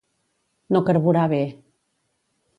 No carburar bé.